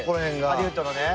ハリウッドのね。